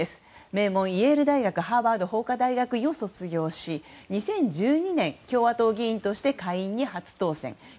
名門イエール大学ハーバード法科大学院を卒業し２０１２年、共和党議員として下院に初当選。